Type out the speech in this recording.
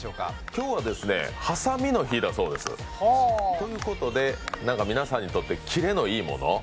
今日は、ハサミの日だそうです。ということで何か皆さんにとってキレのいいもの。